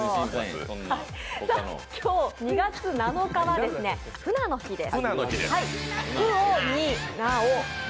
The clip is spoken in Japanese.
今日２月７日はフナの日です。